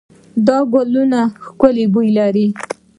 دا ګلونه ښکلې بوی لري.